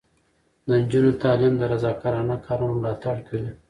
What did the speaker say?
د نجونو تعلیم د رضاکارانه کارونو ملاتړ کوي.